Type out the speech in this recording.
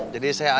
jadi saya ajak